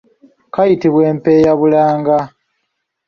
Kayitibwa empenyabulanga.